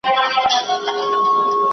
¬ پېټ نسته، شرم غره ته ختلی دئ.